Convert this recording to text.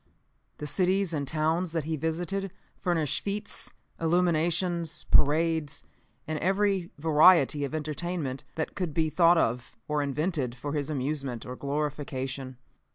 The cities and towns that he visited furnished fetes, illuminations, parades and every variety of entertainment that could be thought of or invented for his amusement or glorification.